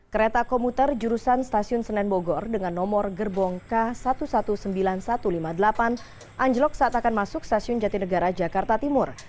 kereta komuter jurusan stasiun senen bogor dengan nomor gerbong k seribu sembilan ribu satu ratus lima puluh delapan anjlok saat akan masuk stasiun jatinegara jakarta timur